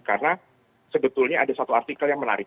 karena sebetulnya ada satu artikel yang menarik